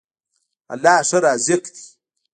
الله ښه رازق دی.